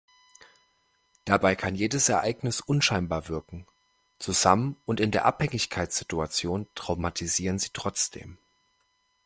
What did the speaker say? Dabei kann jedes Ereignis unscheinbar wirken, zusammen und in der Abhängigkeitssituation traumatisieren sie trotzdem.